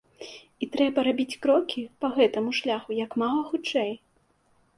І трэба рабіць крокі па гэтаму шляху як мага хутчэй.